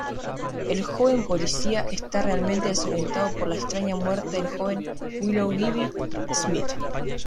El joven policía está realmente desorientado por la extraña muerte del joven Willoughby Smith.